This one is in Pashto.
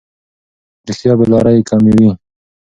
رښتیا بې لارۍ کموي.